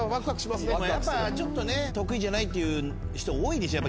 やっぱちょっとね得意じゃないという人が多いですよ